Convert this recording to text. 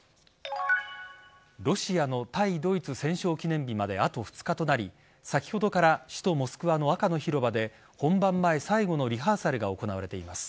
ロシアの対ドイツ戦勝記念日まであと２日となり先ほどから首都・モスクワの赤の広場で本番前最後のリハーサルが行われています。